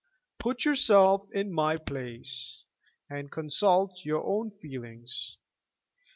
Put yourself in my place, and consult your own feelings.